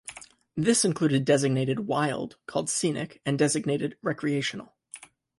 This included designated "wild", called "scenic", and designated "recreational".